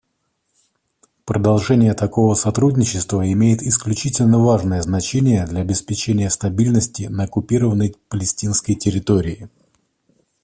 Продолжение такого сотрудничества имеет исключительно важное значение для обеспечения стабильности на оккупированной палестинской территории.